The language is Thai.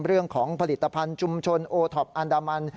เรื่องของผลิตภัณฑ์ชุมชนโอท็อปอันดามัน